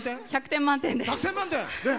１００点満点です。